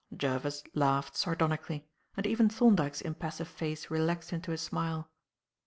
Jervis laughed sardonically; and even Thorndyke's impassive face relaxed into a smile.